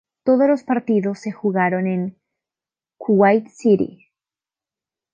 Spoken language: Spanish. Todos los partidos se jugaron en Kuwait City.